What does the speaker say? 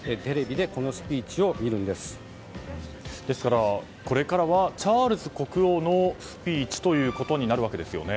ですから、これからはチャールズ国王のスピーチとなるわけですよね。